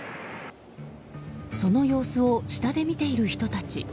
その様子を下で見ている人たち。